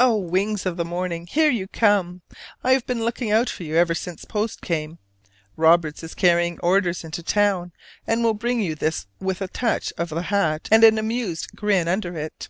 Oh, wings of the morning, here you come! I have been looking out for you ever since post came. Roberts is carrying orders into town, and will bring you this with a touch of the hat and an amused grin under it.